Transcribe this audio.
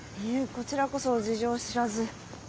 こちらこそ事情を知らず。